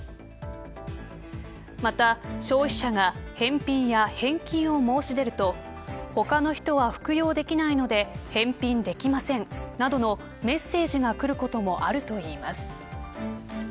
また、消費者が返品や返金を申し出ると他の人は服用できないので返品できませんなどのメッセージがくることもあるといいます。